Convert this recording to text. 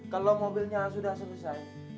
kalau mobilnya sudah selesai